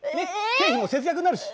経費も節約になるし。